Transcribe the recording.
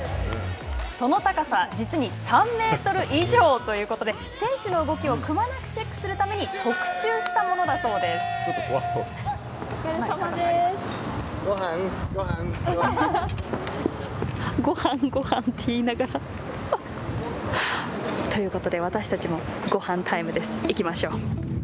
その高さ実に３メートル以上ということで選手の動きをくまなくチェックするためにごはん、ごはんって言う声が。ということで私たちも、ごはんタイムです。